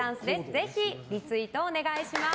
ぜひ、リツイートをお願いします。